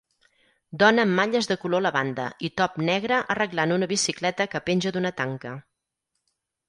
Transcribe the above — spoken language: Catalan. Dona amb malles de color lavanda i top negre arreglant una bicicleta que penja d'una tanca